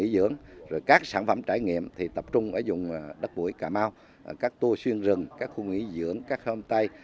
để tập trung ở dụng đất mũi cà mau các tour xuyên rừng các khu nghỉ dưỡng các hôm tây